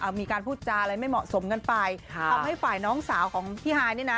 มีการพูดจาอะไรไม่เหมาะสมกันไปค่ะทำให้ฝ่ายน้องสาวของพี่ฮายนี่นะ